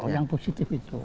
yang positif itu